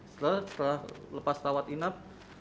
setelah lepas rawat inap